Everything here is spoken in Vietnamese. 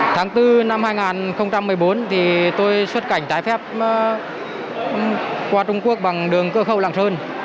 tháng bốn năm hai nghìn một mươi bốn tôi xuất cảnh trái phép qua trung quốc bằng đường cơ khẩu lạng sơn